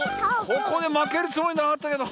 ここでまけるつもりなかったけど。